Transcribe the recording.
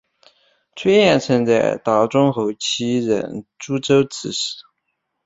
崔彦曾在大中后期任诸州刺史。